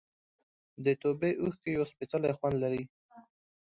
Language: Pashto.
د توبې اوښکې یو سپېڅلی خوند لري.